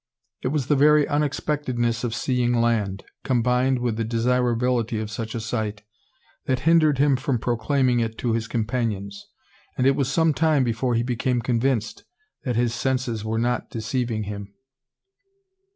It was the very unexpectedness of seeing land combined with the desirability of such a sight that hindered him from proclaiming it to his companions; and it was some time before he became convinced that his senses were not deceiving him.